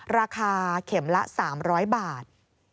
ราคาเข็มละ๓๐๐บาท